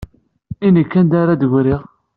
I nekk, anda ara d-ggriɣ?